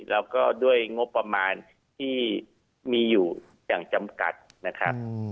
แล้วก็ด้วยงบประมาณที่มีอยู่อย่างจำกัดนะครับ